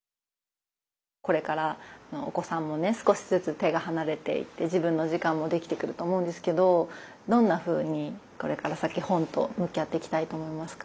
これからお子さんもね少しずつ手が離れていって自分の時間もできてくると思うんですけどどんなふうにこれから先本と向き合っていきたいと思いますか？